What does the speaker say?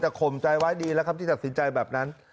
แต่ข่อมใจไว้ดีที่ตัดสินใจแบบนั้น